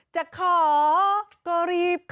จะขอก็รีบขอ